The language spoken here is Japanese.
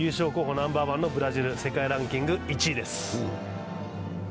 ナンバーワンのブラジルと、世界ランキング１位です。